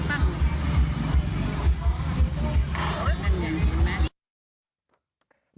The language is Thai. นั่นอย่างนี้แม่